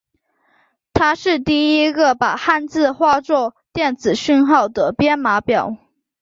它是第一个把汉字化作电子讯号的编码表。